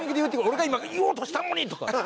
俺が今言おうとしたのに！とか。